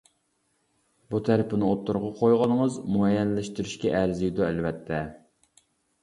بۇ تەرىپىنى ئوتتۇرىغا قويغىنىڭىز مۇئەييەنلەشتۈرۈشكە ئەرزىيدۇ، ئەلۋەتتە.